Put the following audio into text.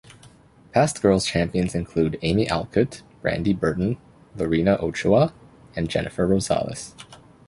Past girls' champions include Amy Alcott, Brandie Burton, Lorena Ochoa, and Jennifer Rosales.